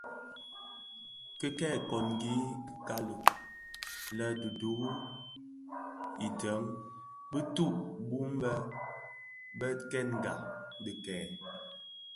Ki kè kongi dhu kali lè duri ideň bituu bum bō dhubtèngai dikèè.